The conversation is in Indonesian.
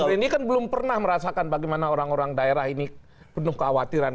ini kan belum pernah merasakan bagaimana orang orang daerah ini penuh kekhawatiran